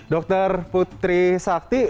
dokter putri sakri